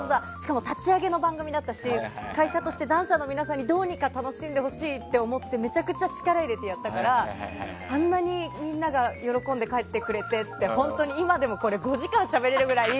立ち上げの番組だったし会社としてダンサーの皆さんにどうにか楽しんでほしいと思ってめちゃくちゃ力入れてやったからあんなにみんなが喜んで帰ってくれてって本当に今でも５時間しゃべれるぐらい。